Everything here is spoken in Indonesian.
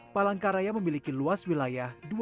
palangkaraya memiliki luas wilayah